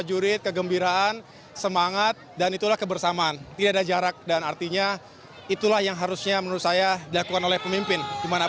prajurit kegembiraan semangat dan itulah kebersamaan tidak ada jarak dan artinya itulah yang harusnya menurut saya dilakukan oleh pemimpin dimana